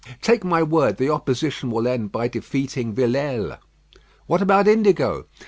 Take my word, the opposition will end by defeating Villèle. What about indigo?